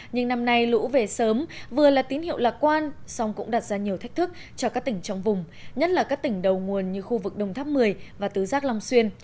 nhưng năm nay lũ về sớm vừa là tín hiệu lạc quan song cũng đặt ra nhiều thách thức cho các tỉnh trong vùng nhất là các tỉnh đầu nguồn như khu vực đông tháp một mươi và tứ giác long xuyên